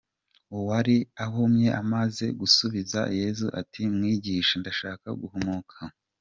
Uwari ahumye amaze gusubiza Yesu ati "Mwigisha, ndashaka guhumuka.